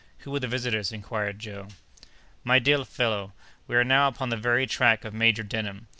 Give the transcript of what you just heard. Who were the visitors?" inquired Joe. "My dear fellow, we are now upon the very track of Major Denham.